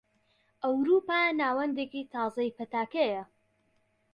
ئەوروپا ناوەندێکی تازەی پەتاکەیە.